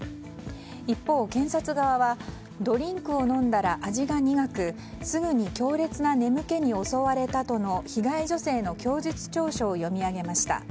一方、検察側はドリンクを飲んだら味が苦くすぐに強烈な眠気に襲われたとの被害女性の供述調書を読み上げました。